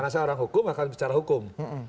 karena saya orang hukum akan bicara hukum